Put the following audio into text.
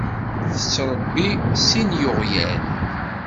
Yettṛebbi sin n yiɣyal.